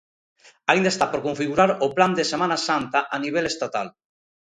Aínda está por configurar o plan de Semana Santa a nivel estatal.